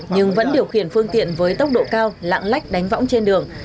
nhưng vẫn điều khiển phương tiện với tốc độ cao lạng lách đánh võng trên đường